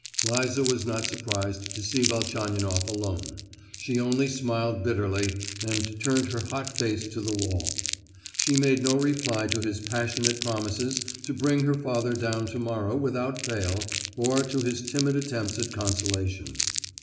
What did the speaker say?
Liza was not surprised to see Velchaninoff alone. She only smiled bitterly, and turned her hot face to the wall. She made no reply to his passionate promises to bring her father down to morrow without fail, or to his timid attempts at consolation.